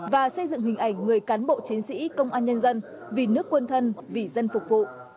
và xây dựng hình ảnh người cán bộ chiến sĩ công an nhân dân vì nước quân thân vì dân phục vụ